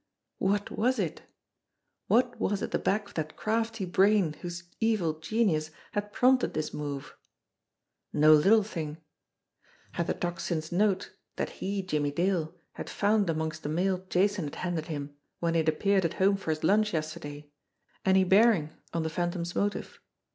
What was it? What was at the back of that crafty brain whose evil genius had prompted this move ? No little thing ! Had the Tocsin's note that he, Jimmie Dale, had found amongst the mail Jason had handed him when he had ap peared at home for his lunch yesterday, any bearing on the Phantom's motive?